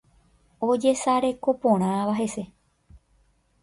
ojesarekoporãva hese